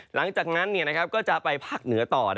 หลังจากนั้นก็จะไปภาคเหนือต่อ